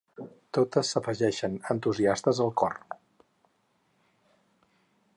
Totes s'afegeixen, entusiastes, al cor.